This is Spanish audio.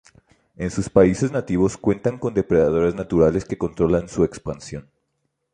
En sus países nativos cuenta con depredadores naturales que controlan su expansión.